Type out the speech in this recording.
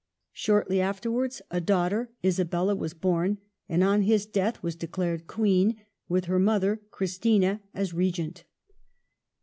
Shortly afterwards a daughter, Isabella, was born, and on his death was declared Queen, with her mother Christina as Regent.